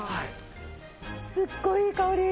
すっごいいい香り。